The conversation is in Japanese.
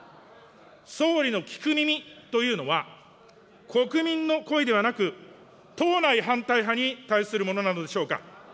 総理の聞く耳というのは、国民の声ではなく、党内反対派に対するものなのでしょうか。